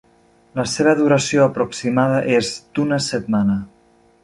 La seva duració aproximada és d"una setmana.